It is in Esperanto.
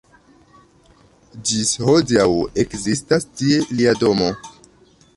Ĝis hodiaŭ ekzistas tie lia domo.